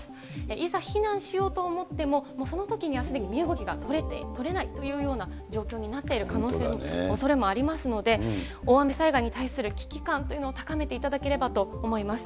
いざ避難しようと思っても、もうそのときにはすでに身動きが取れないというような状況になっている可能性も、おそれもありますので、大雨災害に対する危機感というのを高めていただければと思います。